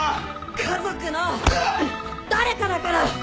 家族の誰かだから！